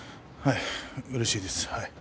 うれしいです。